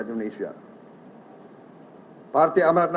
tempayan nilai pemerintahan pada ketiga ulang tahun ini